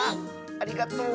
ありがとう！